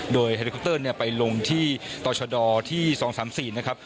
โดยเฮลิคอปเตอร์ไปลงที่ต่อชดที่๒๓๔นะครับ